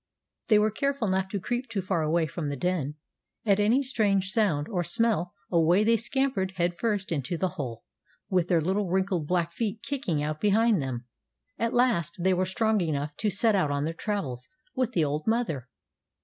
They were careful not to creep too far away from the den. At any strange sound or smell away they scampered head first into the hole, with their little wrinkled black feet kicking out behind them. At last they were strong enough to set out on their travels with the old mother.